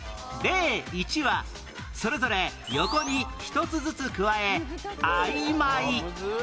例１はそれぞれ横に１つずつ加え「曖昧」